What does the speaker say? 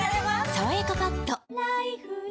「さわやかパッド」